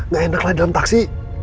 gak enak lah dalam taksi